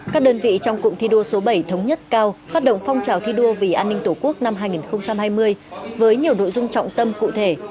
các đơn vị trong cụm thi đua số bảy thống nhất cao phát động phong trào thi đua vì an ninh tổ quốc năm hai nghìn hai mươi với nhiều nội dung trọng tâm cụ thể